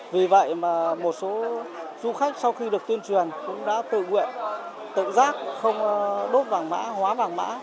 vì vậy mà một số du khách sau khi được tuyên truyền cũng đã tự nguyện tự giác không đốt vàng mã hóa vàng mã